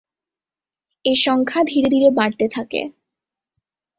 এ সংখ্যা ধীরে ধীরে বাড়তে থাকে।